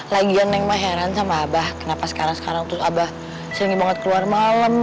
lagian neng mah heran sama abah kenapa sekarang sekarang terus abah sering banget keluar malam